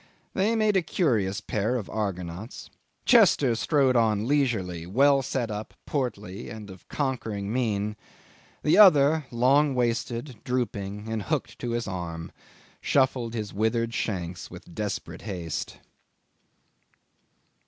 They made a curious pair of Argonauts. Chester strode on leisurely, well set up, portly, and of conquering mien; the other, long, wasted, drooping, and hooked to his arm, shuffled his withered shanks with desperate haste.